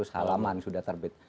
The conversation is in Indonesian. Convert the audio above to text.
halaman sudah terbit